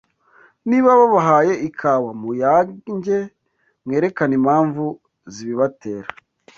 ” Niba babahaye ikawa, muyange, mwerekane impamvu zibibatera.